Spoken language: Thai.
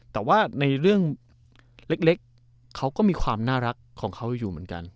แต่ว่าในเรื่องเล็กเขาก็มีความน่ารักของเขาอยู่เหมือนกัน